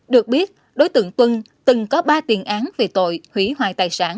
được biết đối tượng tuân từng có ba tiền án về tội hủy hoại tài sản